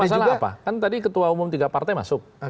masalah apa kan tadi ketua umum tiga partai masuk